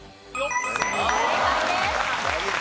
正解です。